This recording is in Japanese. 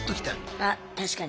あ確かに。